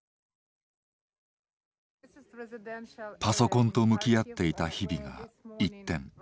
パソコンと向き合っていた日々が一転。